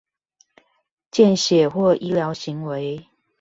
見血或醫療行為